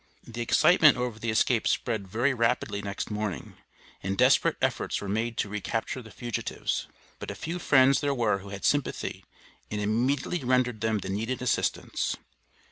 The excitement over the escape spread very rapidly next morning, and desperate efforts were made to recapture the fugitives, but a few friends there were who had sympathy and immediately rendered them the needed assistance.